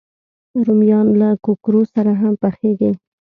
رومیان له کوکرو سره هم پخېږي